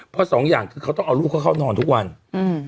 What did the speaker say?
เพราะสองอย่างคือเขาต้องเอาลูกเขาเข้านอนทุกวันอืม